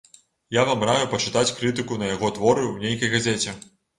Я вам раю пачытаць крытыку на яго творы ў нейкай газеце.